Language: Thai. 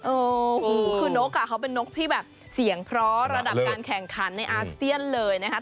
โอ้โหคือนกเขาเป็นนกที่แบบเสียงเพราะระดับการแข่งขันในอาเซียนเลยนะครับ